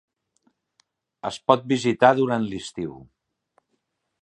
Es pot visitar durant l'estiu.